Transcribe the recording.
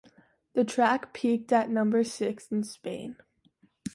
The track peaked at number six in Spain.